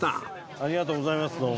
ありがとうございますどうも。